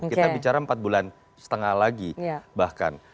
kita bicara empat bulan setengah lagi bahkan